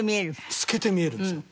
透けて見えるんですよ。